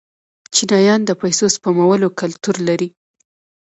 چینایان د پیسو سپمولو کلتور لري.